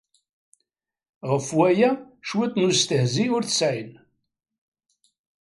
Ɣef waya cwiṭ n ustehzi ur tesɛin.